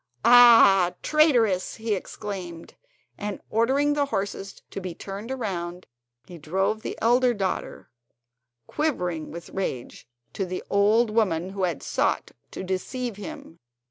"Ah, traitress!" he exclaimed, and ordering the horses to be turned round, he drove the elder daughter, quivering with rage, to the old woman who had sought to deceive him.